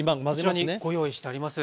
こちらにご用意してあります。